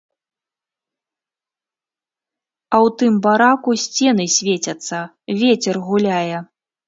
А ў тым бараку сцены свецяцца, вецер гуляе.